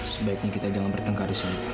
sebaiknya kita jangan bertengkar di sini